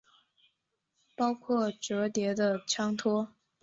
包括折叠的枪托。